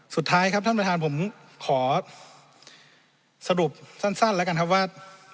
สุดท้ายครับท่านประธานผมขอสรุปสั้นแล้วกันครับว่า